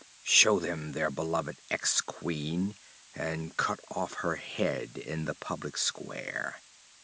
Show them their beloved ex queen and cut off her head in the public square!'